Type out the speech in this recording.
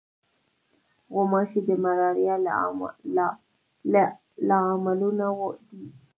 غوماشې د ملاریا له لاملونو دي.